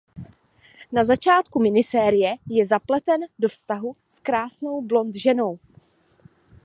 Na začátku minisérie je zapleten do vztahu s krásnou blond ženou.